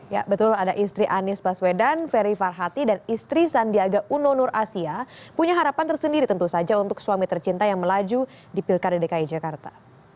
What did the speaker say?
ya betul ada istri anies baswedan ferry farhati dan istri sandiaga uno nur asia punya harapan tersendiri tentu saja untuk suami tercinta yang melaju di pilkada dki jakarta